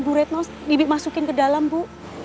bibi masukin ke dalam bu